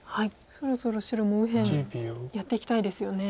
そろそろ白も右辺やっていきたいですよね。